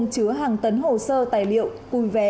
chứa hàng tấn hồ sơ tài liệu cùi vé